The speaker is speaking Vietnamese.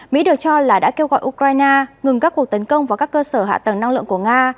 mỹ được cho là đã kêu gọi ukraine ngừng các cuộc tấn công vào các cơ sở hạ tầng năng lượng của nga